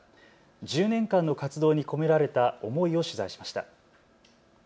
１０年間の活動に込められた思いを取材しました。